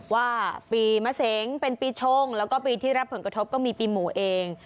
ว่าปีมะเสงเป็นปีชงแล้วก็ปีที่รับผลกระทบก็มีปีหมูเอง